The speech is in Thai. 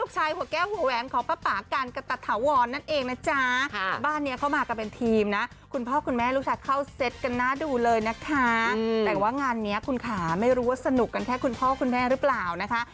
จะรู้สนุกกันแค่คุณพ่อคุณแม่หรือเปล่านะคะ